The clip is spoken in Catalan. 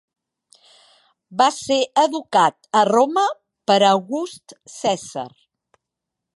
Va ser educat a Roma per August Cèsar.